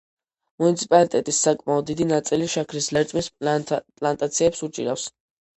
მუნიციპალიტეტის საკმაოდ დიდი ნაწილი შაქრის ლერწმის პლანტაციებს უჭირავს.